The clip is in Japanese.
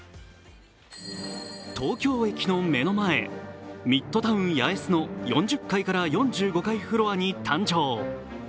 東京駅の目の前、ミッドタウン八重洲の４０階から４５階フロアに誕生。